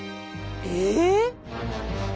え？